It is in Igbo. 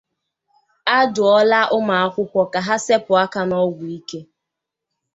A Dụọla Ụmụakwụkwọ Ka Ha Sepu Aka n'Ọgwụ Ike